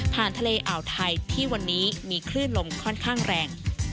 ทะเลอ่าวไทยที่วันนี้มีคลื่นลมค่อนข้างแรง